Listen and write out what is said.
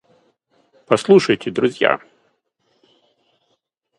Послушайте, друзья!